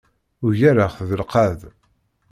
Ugareɣ-t deg lqedd.